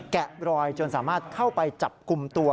แกะรอยจนสามารถเข้าไปจับกลุ่มตัว